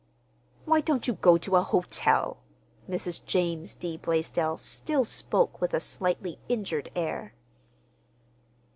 "Why don't you go to a hotel?" Mrs. James D. Blaisdell still spoke with a slightly injured air.